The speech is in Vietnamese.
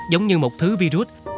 giống như một thứ virus